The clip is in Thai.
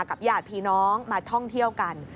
ญาติพี่น้องมาท่องเที่ยวกัน